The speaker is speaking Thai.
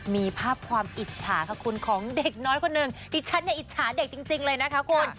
มีภาพความอิจฉาค่ะคุณของเด็กน้อยคนหนึ่งดิฉันเนี่ยอิจฉาเด็กจริงเลยนะคะคุณ